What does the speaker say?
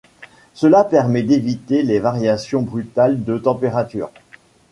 Cela permet d'éviter les variations brutales de température.